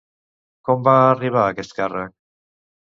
Com va arribar a aquest càrrec?